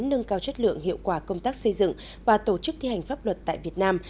nâng cao chất lượng hiệu quả công tác xây dựng và tổ chức thi hành pháp luật tại việt nam